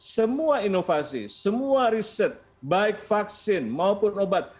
semua inovasi semua riset baik vaksin maupun obat